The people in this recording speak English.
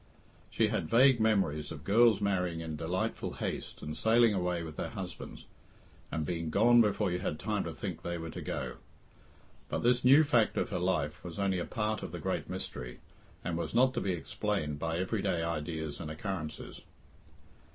She had vague memories of girls marrying in delightful haste and sailing away with their husbands, and being gone before you had time to think they were to go. But this new fact of her life was only a part of the great mystery, and was not to be explained by everyday ideas and occurrences.